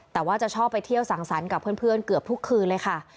แต่ว่าจะชอบไปเที่ยวสั่งสรรค์กับเพื่อนเกือบทุกคืนเลยค่ะ